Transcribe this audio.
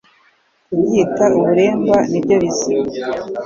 Kubyita Uburemba nibyo bizima